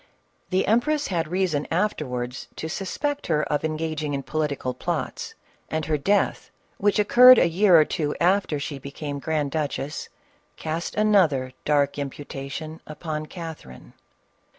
The empress bad reason afterwards to suspect her of engaging in political plots, and her death, which occur red a year or two after she became grand duchess, cast another dark imputation upon Catherine.